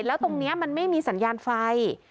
แล้วตรงนี้มันไม่มีสัญญาณไฟ